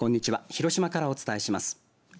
広島からお伝えします。